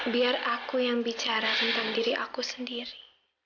biar aku yang bicara tentang diri aku sendiri